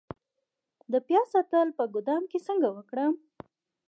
د پیاز ساتل په ګدام کې څنګه وکړم؟